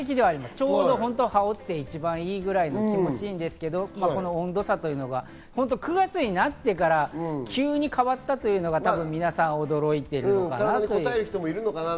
ちょうど羽織っていいぐらい気持ちいいんですけど、９月になってから急に変わったというのが多分、皆さん驚いてるかなと。